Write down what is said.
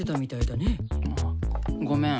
あごめん。